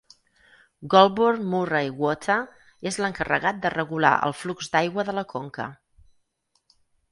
Goulburn-Murray Water és l'encarregat de regular el flux d'aigua de la conca.